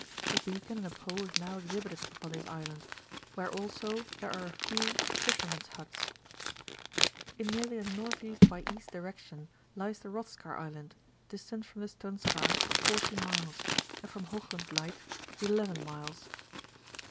A beacon and a pole is now exhibited upon this island, where also there are a few fishermen^s huts. In nearly a N.E. by E. direction lies the Rothskar Island, distant fh>m the Stoneskar 14 miles, and from Hoogland Light 11 miles.